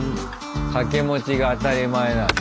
掛け持ちが当たり前なんだ。